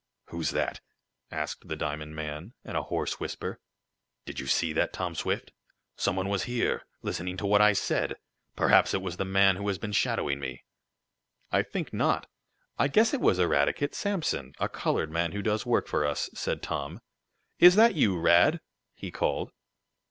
"Who's that?" asked the diamond man, in a hoarse whisper. "Did you see that, Tom Swift? Some one was here listening to what I said! Perhaps it was the man who has been shadowing me!" "I think not. I guess it was Eradicate Sampson, a colored man who does work for us," said Tom. "Is that you, Rad?" he called.